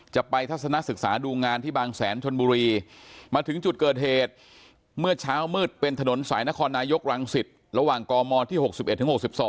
จะไปทัศนะศึกษาดูงานที่บางแสนชนบุรีมาถึงจุดเกิดเหตุ